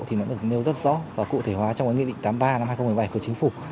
thì nó được nêu rất rõ và cụ thể hóa trong cái nghị định tám mươi ba năm hai nghìn một mươi bảy của chính phủ